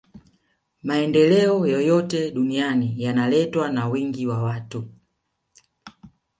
maendeleo yoyote duniani yanaletwa na wingi wa watu